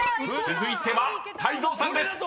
［続いては泰造さんです］